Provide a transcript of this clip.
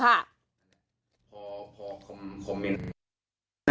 เขาก็คอมเมนต์